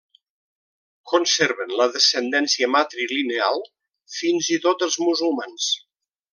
Conserven la descendència matrilineal fins i tot els musulmans.